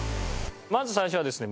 まず最初はですね